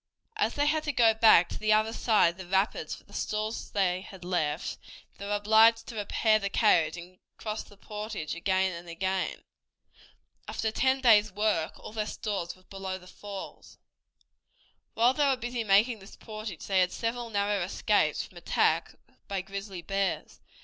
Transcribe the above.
As they had to go back to the other side of the rapids for the stores they had left, they were obliged to repair the carriage and cross the portage again and again. After ten days' work all their stores were above the falls. While they were busy making this portage they had several narrow escapes from attacks by grizzly bears.